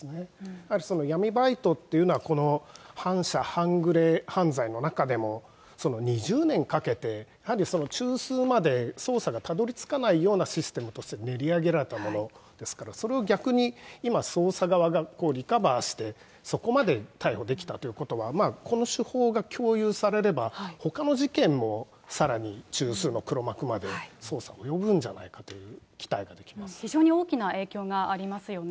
やはりその、闇バイトっていうのは、反社反グレ犯罪の中でも２０年かけて、やはりその中枢まで捜査がたどりつかないようなところまでシステムとして練り上げられたものですので、それを逆に今、捜査側がリカバーして、そこまで逮捕できたということで、この手法が共有されれば、ほかの事件もさらに中枢の黒幕まで捜査が及ぶんじゃないかという非常に大きな影響がありますよね。